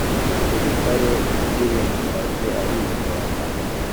umusirikare ukiri mu kazi aritonda.